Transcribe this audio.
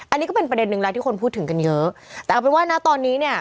อันนี้ก็เป็นประเด็นนึงแล้วที่คนพูดถึงกันเยอะแต่เอาเป็นว่านะตอนนี้เนี่ย